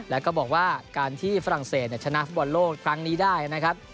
แล้วก็บอกว่าการที่ฝรั่งเศสชนะฟุตบอลโลกครั้งนี้ได้นะครับ